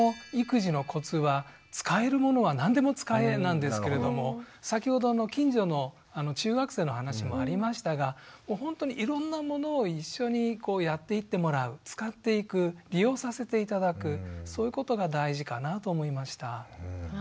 なんですけれども先ほど近所の中学生の話もありましたがほんとにいろんなものを一緒にやっていってもらう使っていく利用させて頂くそういうことが大事かなと思いました。